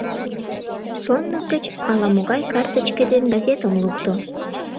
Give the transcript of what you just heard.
Шондык гыч ала-могай картычке ден газетым лукто.